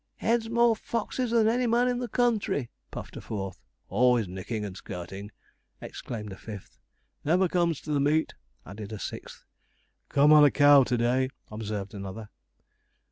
'Heads more foxes than any man in the country,' puffed a fourth. 'Always nicking and skirting,' exclaimed a fifth. 'Never comes to the meet,' added a sixth. 'Come on a cow to day,' observed another.